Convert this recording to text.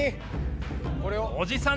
おじさん